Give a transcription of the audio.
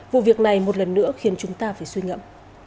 vụ việc này một lần nữa khiến chúng ta phải suy ngẫm